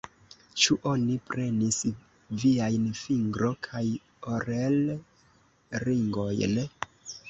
Ĉu oni prenis viajn fingro- kaj orel-ringojn?